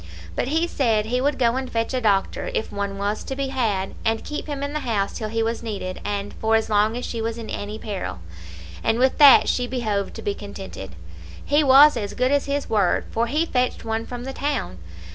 But he said he would go and fetch a doctor, if one was to be had, and keep him in the house till he was needed, and for as long as she was in any peril; and with that she behoved to be contented. He was as good as his word, for he fetched one from the town.